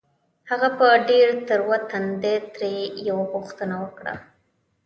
هغه په ډېر تروه تندي ترې يوه پوښتنه وکړه.